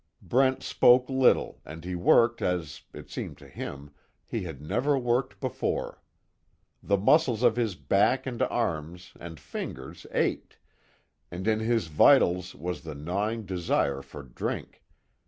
Brent spoke little and he worked as, it seemed to him, he had never worked before. The muscles of his back and arms and fingers ached, and in his vitals was the gnawing desire for drink.